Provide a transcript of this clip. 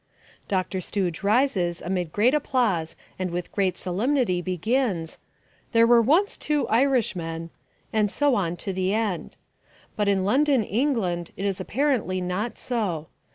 '" Dr. Stooge rises amid great applause and with great solemnity begins, "There were once two Irishmen " and so on to the end. But in London, England, it is apparently not so.